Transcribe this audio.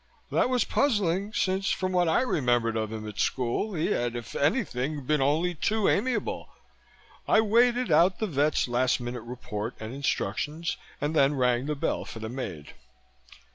That was puzzling, since from what I remembered of him at school, he had if anything been only too amiable. I waited out the vet's last minute report and instructions, and then rang the bell for the maid.